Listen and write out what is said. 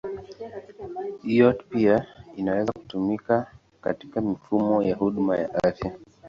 IoT pia inaweza kutumika katika mifumo ya huduma ya afya.